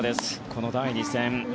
この第２戦。